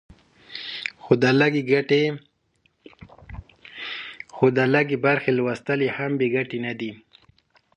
خو د لږې برخې لوستل یې هم بې ګټې نه دي.